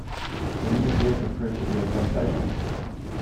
The new theatre proved to be a sensation.